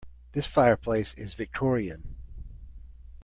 This fireplace is Victorian.